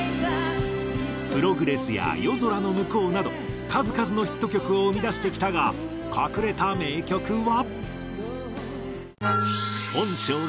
『Ｐｒｏｇｒｅｓｓ』や『夜空ノムコウ』など数々のヒット曲を生み出してきたが隠れた名曲は。